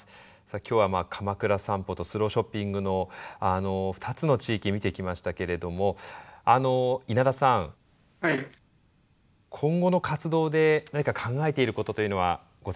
今日はかまくら散歩とスローショッピングの２つの地域見てきましたけれども稲田さん今後の活動で何か考えていることというのはございますか？